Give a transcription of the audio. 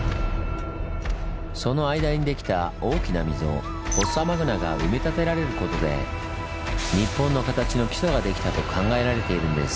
その間にできた大きな溝フォッサマグナが埋め立てられることで日本の形の基礎ができたと考えられているんです。